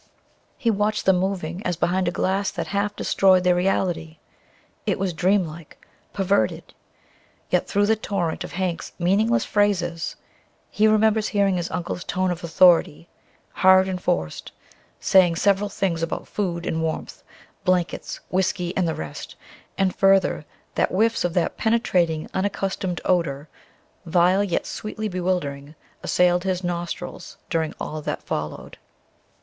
He watched them moving as behind a glass that half destroyed their reality; it was dreamlike; perverted. Yet, through the torrent of Hank's meaningless phrases, he remembers hearing his uncle's tone of authority hard and forced saying several things about food and warmth, blankets, whisky and the rest ... and, further, that whiffs of that penetrating, unaccustomed odor, vile yet sweetly bewildering, assailed his nostrils during all that followed.